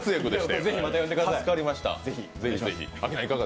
ぜひまた呼んでください。